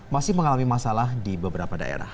masih mengalami masalah di beberapa daerah